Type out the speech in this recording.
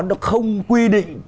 nó không quy định